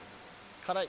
辛い。